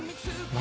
何？